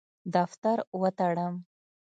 دفتر وتړم.